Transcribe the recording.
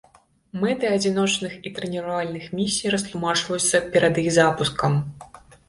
Мэты адзіночных і трэніравальных місій растлумачваюцца перад іх запускам.